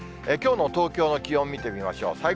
きょうの東京の気温見てみましょう。